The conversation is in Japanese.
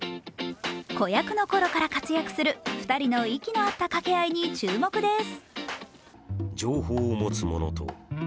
子役のころから活躍する２人の息の合った掛け合いに注目です。